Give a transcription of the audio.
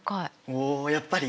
おやっぱり。